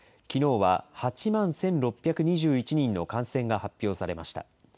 きのうは８万１６２１人の感染が発表されました。